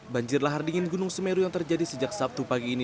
banjir lahar dingin gunung semeru yang terjadi sejak sabtu pagi ini